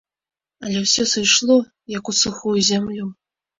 Але ўсё сыйшло, як у сухую зямлю.